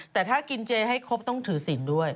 แต่ถ้ากินเจให้ครบต้องถือศิลป์ด้วย